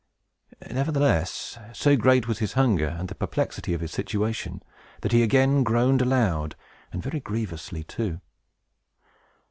Nevertheless, so great was his hunger, and the perplexity of his situation, that he again groaned aloud, and very grievously too.